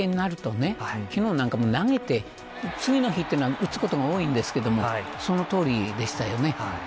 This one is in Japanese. これが、きっかけになると昨日なんかも、投げて次の日は打つことが多いですがそのとおりでしたよね。